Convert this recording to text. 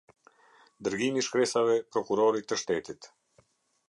Dërgimi i shkresave prokurorit të shtetit.